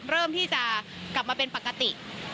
เริ่มที่จะกลับมาเป็นปกติ